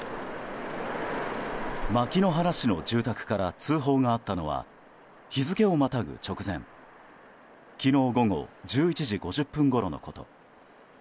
牧之原市の住宅から通報があったのは日付をまたぐ直前、昨日午後１１時５０分ごろのこと。